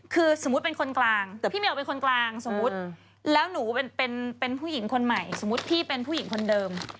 คือสมมุติเป็นคนกลางพี่เหมียวเป็นคนกลางสมมุติแล้วหนูเป็นผู้หญิงคนใหม่สมมุติพี่เป็นผู้หญิงคนเดิม